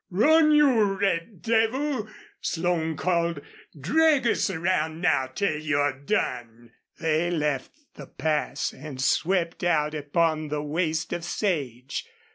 "Run, you red devil!" Slone called. "Drag us around now till you're done!" They left the pass and swept out upon the waste of sage.